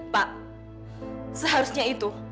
pak seharusnya itu